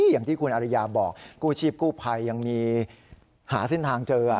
อย่างที่คุณอริยาบอกกู้ชีพกู้ภัยยังมีหาเส้นทางเจอ